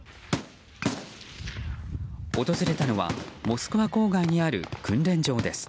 訪れたのはモスクワ郊外にある訓練場です。